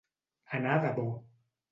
Anar de bo.